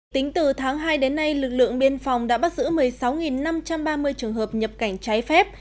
tính từ tháng hai đến nay lực lượng biên phòng đã bắt giữ một mươi sáu năm trăm ba mươi trường hợp nhập cảnh trái phép